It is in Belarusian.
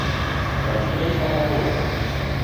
Пра што ішла гаворка?